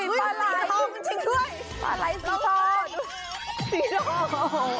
โอ้โฮปลาไหล้ธรรมจริงด้วย